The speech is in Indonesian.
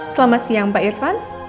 selamat siang pak irfan